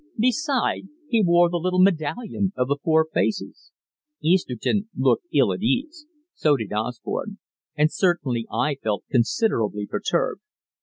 Beside, he wore the little medallion of the Four Faces. Easterton looked ill at ease; so did Osborne; and certainly I felt considerably perturbed.